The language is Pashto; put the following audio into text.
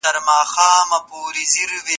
آیا میرویس خان واقعاً حج ته تللی و؟